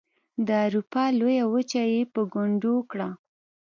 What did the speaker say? د اروپا لویه وچه یې په ګونډو کړه.